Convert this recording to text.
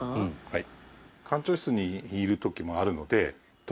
はい。